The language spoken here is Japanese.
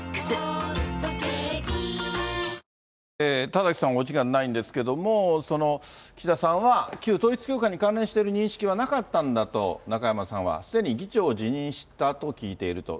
田崎さん、お時間ないんですけれども、岸田さんは、旧統一教会に関連している認識はなかったんだと、中山さんは。すでに議長を辞任したと聞いていると。